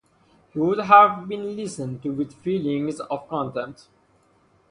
He would have been listened to with feelings of contempt.